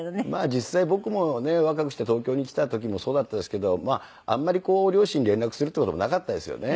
実際僕もねえ若くして東京に来た時もそうだったですけどあまり両親に連絡するっていう事もなかったですよね。